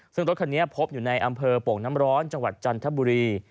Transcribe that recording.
ซึ่งรถคันนี้พบอยู่ในอำเภอโป่งน้ำร้อนจังหวัดจันทบุรี